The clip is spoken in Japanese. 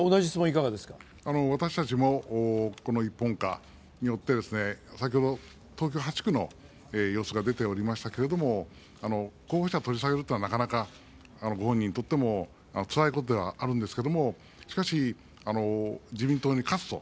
私たちも一本化によって先ほど東京８区の様子が出ておりましたけれども候補を取り下げるというのは、なかなかご本人にとってもつらいことではあるんですけどしかし、自民党に勝つと。